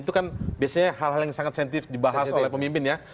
itu kan biasanya hal hal yang sangat sensitif dibahas oleh pemimpin ya